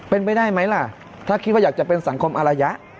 เป็นไปได้ไหมล่ะถ้าคิดว่าอยากจะเป็นสังคมอารยะ